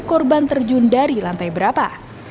korban terjun dari lantai berapa